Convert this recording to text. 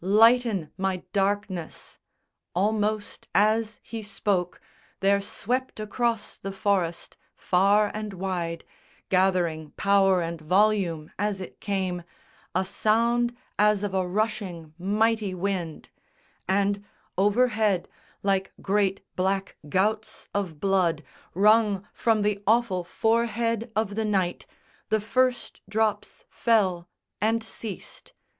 Lighten my darkness!" Almost as he spoke There swept across the forest, far and wide, Gathering power and volume as it came, A sound as of a rushing mighty wind; And, overhead, like great black gouts of blood Wrung from the awful forehead of the Night The first drops fell and ceased.